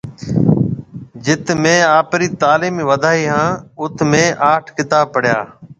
جٿ مهيَ آپري تالِيم وڌائِي هانَ اُٿ مهيَ اَٺ ڪتاب پڙهيَا